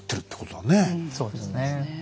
そうですね。